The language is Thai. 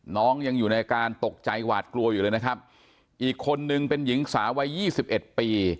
น้องยังอยู่ในอาการตกใจหวาดกลัวอยู่เลยนะครับอีกคนนึงเป็นหญิงสาววัยยี่สิบเอ็ดปี